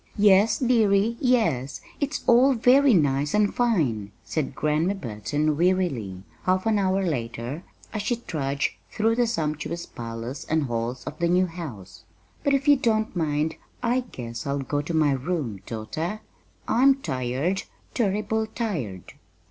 "Yes, dearie, yes, it's all very nice and fine," said Grandma Burton wearily, half an hour later as she trudged through the sumptuous parlors and halls of the new house; "but, if you don't mind, I guess I'll go to my room, daughter. I'm tired turrible tired."